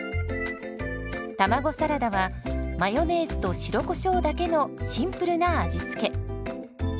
卵サラダはマヨネーズと白コショウだけのシンプルな味付け。